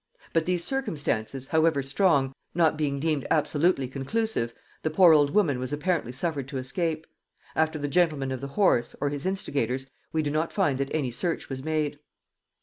But these circumstances, however strong, not being deemed absolutely conclusive, the poor old woman was apparently suffered to escape: after the gentleman of the horse, or his instigators, we do not find that any search was made.